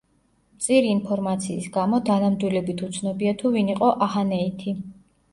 მწირი ინფორმაციის გამო, დანამდვილებით უცნობია თუ ვინ იყო აჰანეითი.